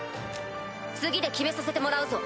次で決めさせてもらうぞ。